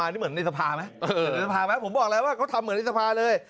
นี่เหมือนในสภาไหมในสภาไหมผมบอกแล้วว่าเขาทำเหมือนในสภาเลย